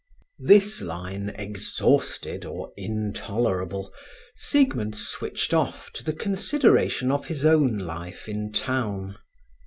This line exhausted or intolerable, Siegmund switched off to the consideration of his own life in town.